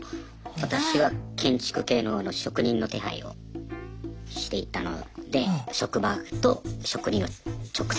私は建築系の職人の手配をしていたので職場と職人を直接。